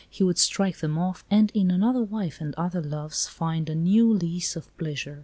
He would strike them off, and in another wife and other loves find a new lease of pleasure.